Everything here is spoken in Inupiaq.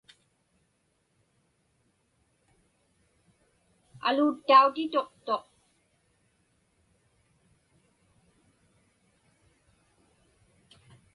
Aluuttautituqtuq.